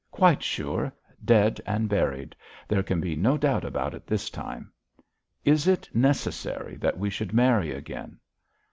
'Quite sure; dead and buried. There can be no doubt about it this time!' 'Is it necessary that we should marry again?'